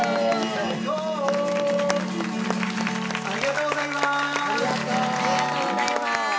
ありがとうございます！